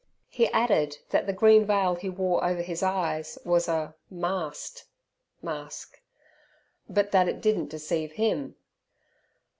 He added that the green veil he wore over his eyes was a "mast" (mask), but that it didn't deceive him.